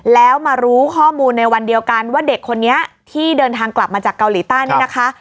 แล้วมารู้ข้อมูลในวันเดียวกันว่าเด็กคนนี้ที่เดินทางกลับมาจากเกาหลีใต้เนี่ยนะคะ